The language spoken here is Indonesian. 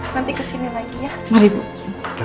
nanti kesini lagi ya